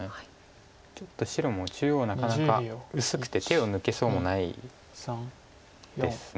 ちょっと白も中央なかなか薄くて手を抜けそうもないです。